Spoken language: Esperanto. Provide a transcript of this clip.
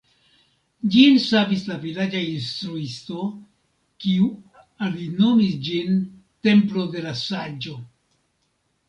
Ĝin savis la vilaĝa instruisto, kiu alinomis ĝin «Templo de la Saĝo».